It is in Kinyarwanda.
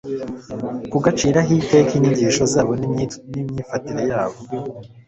kugaciraho iteka inyigisho zabo n'imyifatire yabo;